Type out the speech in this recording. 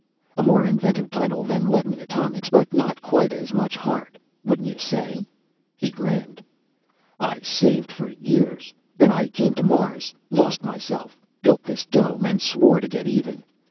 A more inventive title than Ledman Atomics, but not quite as much heart, wouldn't you say?" He grinned. "I saved for years; then I came to Mars, lost myself, built this Dome, and swore to get even.